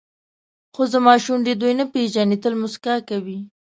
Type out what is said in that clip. خو زما شونډې دوی نه پېژني تل موسکا کوي.